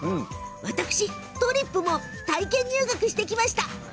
私とりっぷも体験入学してきました。